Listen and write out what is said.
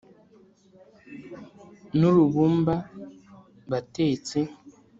Ni rubumba batetsi